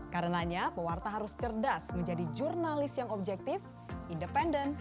karena pewarta harus cerdas menjadi jurnalis yang objektif independen